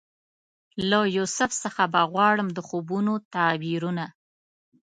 له یوسف څخه به غواړم د خوبونو تعبیرونه